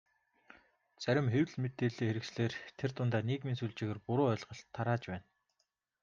Зарим хэвлэл, мэдээллийн хэрэгслээр тэр дундаа нийгмийн сүлжээгээр буруу ойлголт тарааж байна.